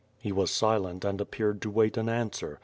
He was silent and appeared to wait an answer.